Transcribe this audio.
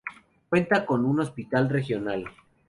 Cuenta con un hospital regional.